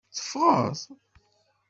Teffɣeḍ.